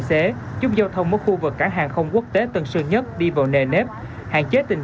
xế giúp giao thông ở khu vực cảng hàng không quốc tế tân sơn nhất đi vào nề nếp hạn chế tình